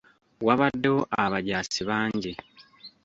Wabaddewo abajaasi bangi.